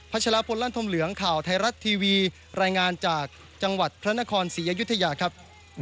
ชะลั่นธมเหลืองข่าวไทยรัฐทีวีรายงานจากจังหวัดพระนครศรีอยุธยาครับ